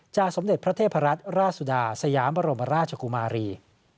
สมเด็จพระเทพรัตนราชสุดาสยามบรมราชกุมารี